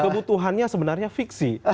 kebutuhannya sebenarnya fiksi